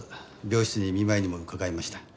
病室に見舞いにも伺いました。